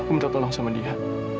om minta tolong sama dia